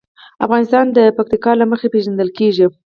افغانستان د پکتیکا له مخې پېژندل کېږي.